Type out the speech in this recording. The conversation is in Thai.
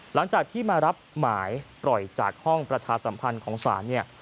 หลังจากที่มารับหมายปล่อยจากห้องประชาสัมพันธ์ของศาลเนี่ย